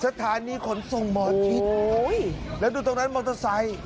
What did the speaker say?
สถานีขนส่งหมอชิดแล้วดูตรงนั้นมอเตอร์ไซค์